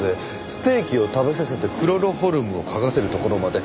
ステーキを食べさせてクロロホルムを嗅がせるところまで。